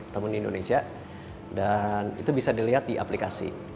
namun di indonesia dan itu bisa dilihat di aplikasi